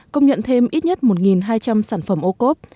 công nhận thêm ít nhất một hai trăm linh sản phẩm ô cốp